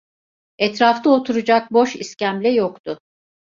Etrafta oturacak boş iskemle yoktu.